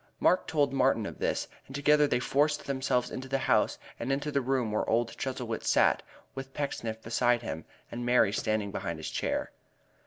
Mark told Martin of this, and together they forced themselves into the house, and into the room where old Chuzzlewit sat, with Pecksniff beside him, and Mary standing behind his chair.